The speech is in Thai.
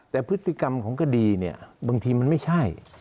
แต่พฤติกรรมของคดีเนี่ยบางทีมันไม่ใช่